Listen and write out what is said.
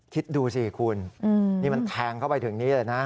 คิดดูสิคุณนี่มันแทงเข้าไปถึงนี้เลยนะ